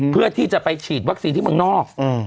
เพื่อที่จะไปฉีดวัคซีนที่เมืองนอก